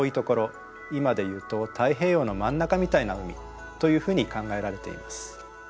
今でいうと太平洋の真ん中みたいな海というふうに考えられています。